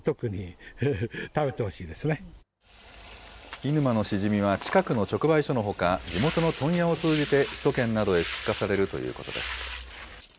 涸沼のシジミは、近くの直売所のほか、地元の問屋を通じて、首都圏などへ出荷されるということです。